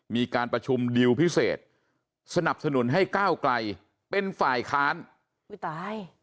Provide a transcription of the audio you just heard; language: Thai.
มีการประชุมดีลพิเศษสนับสนุนให้ก้าวไกลเป็นฝ่ายค้านอุ้ยตาย